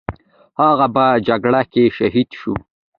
هغه په جګړه کې شهید شو.